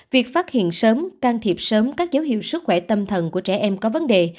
việc phát hiện sớm can thiệp sớm các dấu hiệu sức khỏe tâm thần của trẻ em có vấn đề